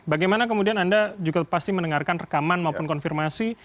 bagaimana kemudian anda juga pasti mendengarkan rekaman maupun konfirmasi